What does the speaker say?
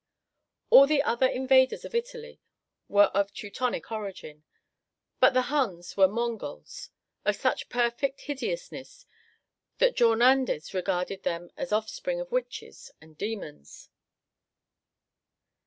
All the other invaders of Italy were of Teutonic origin, but the Huns were Mongols of such perfect hideousness that Jornandes regarded them as the offspring of witches and demons.